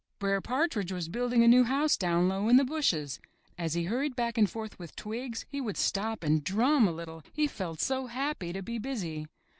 '' Br'er Partridge was building a new house down low in the bushes. As he hurried back and forth with twigs, he would stop and drum a little, he felt so happy to be busy.